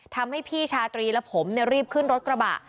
ทำให้พี่ชาตรีและผมรีบขึ้นรถกระบะ